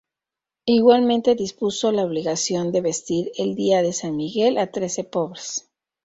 Igualmente dispuso la obligación de vestir el día de San Miguel a trece pobres.